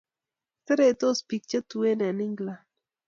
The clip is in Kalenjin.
Seretos pik che tuen en england